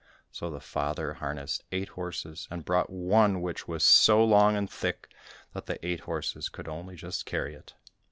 So the father harnessed eight horses, and brought one which was so long and thick, that the eight horses could only just carry it.